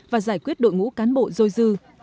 và giải quyết đội ngũ cán bộ dôi dư